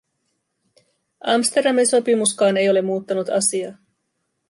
Amsterdamin sopimuskaan ei ole muuttanut asiaa.